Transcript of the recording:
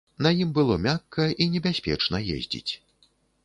На ім было мякка і небяспечна ездзіць.